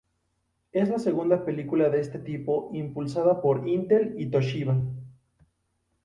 Es la segunda película de este tipo impulsada por Intel y toshiba.